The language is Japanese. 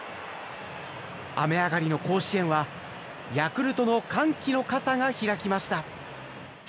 雨上がりの甲子園はヤクルトの歓喜の傘が開きました。